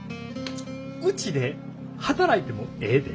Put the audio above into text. ウチで働いてもええで。